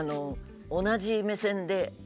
同じ目線で。